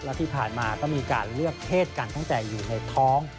และที่ผ่านมาก็มีการเลือกเพศกันตั้งแต่อยู่ในท้อง